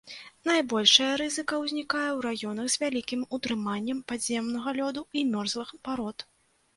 Найбольшая рызыка ўзнікае ў раёнах з вялікім утрыманнем падземнага лёду і мерзлых парод.